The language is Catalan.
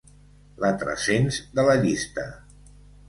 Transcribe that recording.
La tres-cents de la llista.